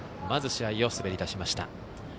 まず試合を滑り出しました。